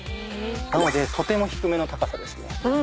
なのでとても低めの高さですね。